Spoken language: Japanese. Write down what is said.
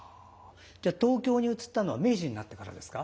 じゃあ東京に移ったのは明治になってからですか？